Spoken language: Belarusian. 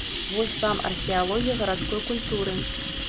Вось вам археалогія гарадской культуры.